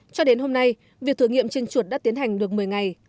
cho đến hôm nay việc thử nghiệm trên chuột đã tiến hành được một mươi ngày